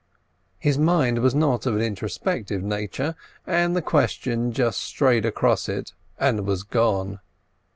His mind was not of an introspective nature, and the question just strayed across it and was gone.